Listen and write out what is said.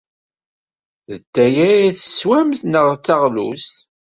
D atay ara teswemt neɣ d taɣlust?